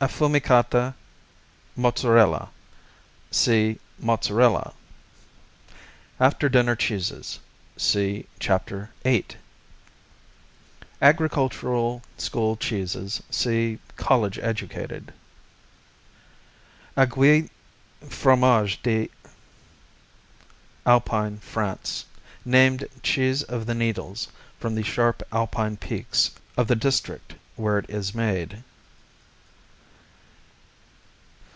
Affumicata, Mozzarella see Mozzarella. After dinner cheeses see Chapter 8. Agricultural school cheeses see College educated. Aiguilles, Fromage d' Alpine France Named "Cheese of the Needles" from the sharp Alpine peaks of the district where it is made.